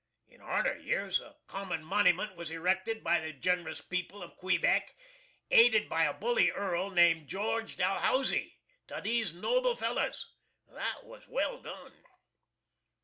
In arter years a common monyment was erected by the gen'rous people of Quebeck, aided by a bully Earl named GEORGE DALHOUSIE, to these noble fellows. That was well done.